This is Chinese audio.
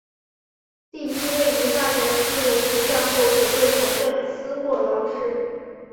第一位于大宅居住的是战后首任财政司霍劳士。